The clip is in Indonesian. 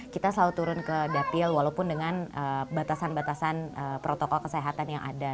kita selalu turun ke dapil walaupun dengan batasan batasan protokol kesehatan yang ada